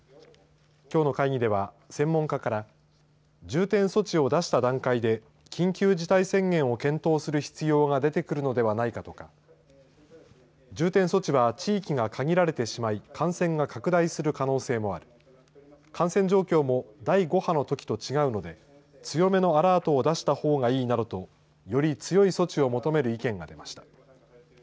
きょうの会議では専門家から重点措置を出した段階で緊急事態宣言を検討する必要が出てくるのではないかとか重点措置は地域が限られてしまい感染が拡大する可能性もある感染状況も第５波のときと違うので強めのアラートを出したほうがいいなどとより強い措置を求める意見が出ました。